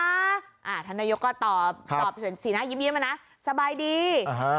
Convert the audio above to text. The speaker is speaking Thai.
ท่านนโยคก็ตอบสีหน้ายิ้มมานะสบายดี